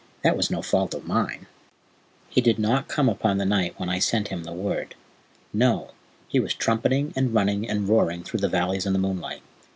That was no fault of mine." "He did not come upon the night when I sent him the word. No, he was trumpeting and running and roaring through the valleys in the moonlight.